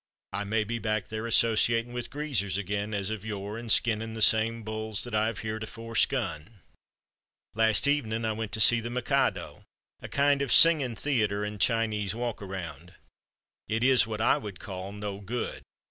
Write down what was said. I may be back there associating with greasers again as of yore and skinning the same bulls that I have heretofore skun. "Last evening I went to see 'The Mikado,' a kind of singing theater and Chinese walk around. It is what I would call no good.